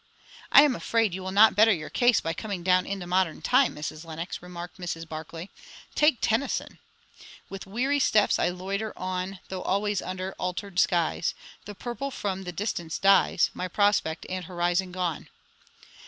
"I am afraid you will not better your case by coming down into modern time, Mrs. Lenox," remarked Mrs. Barclay. "Take Tennyson 'With weary steps I loiter on, Though always under altered skies; The purple from the distance dies, My prospect and horizon gone.'"